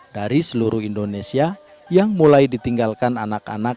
dari seluruh indonesia yang mulai ditinggalkan anak anak